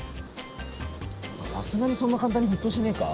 さすがにそんな簡単に沸騰しねえか？